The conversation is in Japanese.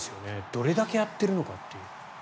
どれだけやってるのかという。